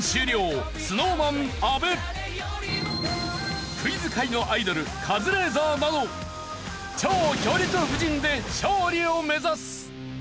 そしてクイズ界のアイドルカズレーザーなど超強力布陣で勝利を目指す！